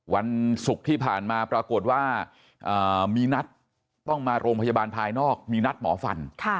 วันศุกร์ที่ผ่านมาปรากฏว่ามีนัดต้องมาโรงพยาบาลภายนอกมีนัดหมอฟัน